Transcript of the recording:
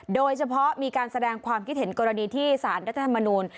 โดยเฉพาะมีการแสดงความคิดเห็นกรณีที่สารรัฐธรรมนูล